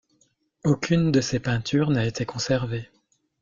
Aucune de ses peintures n'a été conservée.